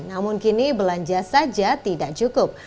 namun kini belanja saja tidak cukup